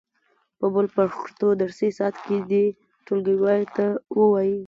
په بل پښتو درسي ساعت کې دې ټولګیوالو ته و وایي.